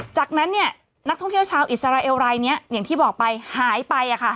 จากนั้นเนี่ยนักท่องเที่ยวชาวอิสราเอลไรเนี่ยอย่างที่บอกไปหายไปอะค่ะ